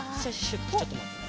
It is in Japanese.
ちょっとまってね。